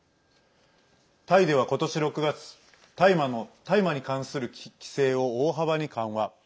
タイでは、今年６月大麻に対する規制を大幅に緩和。